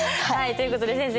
という事で先生